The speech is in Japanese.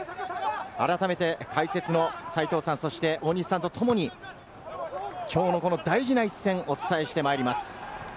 解説の斉藤さん、そして大西さんと共にきょうの大事な一戦をお伝えしてまいります。